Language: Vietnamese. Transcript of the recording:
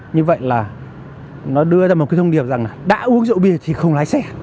như vậy là nó đưa ra một cái thông điệp rằng là đã uống rượu bia thì không lái xe